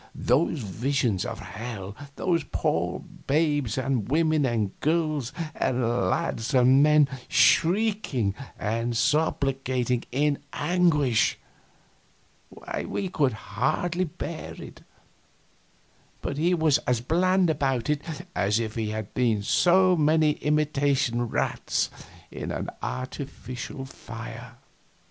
Those visions of hell, those poor babes and women and girls and lads and men shrieking and supplicating in anguish why, we could hardly bear it, but he was as bland about it as if it had been so many imitation rats in an artificial fire.